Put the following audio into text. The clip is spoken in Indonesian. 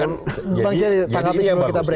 bang celi tangkapin sebelum kita beritahu